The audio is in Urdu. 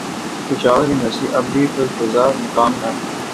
پشاور یونیورسٹی اب بھی پرفضامقام ہے